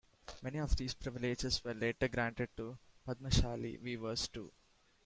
Many of these privileges were later granted to "Padmashali" weavers too.